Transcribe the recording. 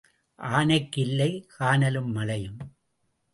ஆனைக்கு இல்லை கானலும் மழையும்.